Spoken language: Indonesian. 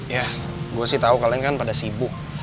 ya gue sih tahu kalian kan pada sibuk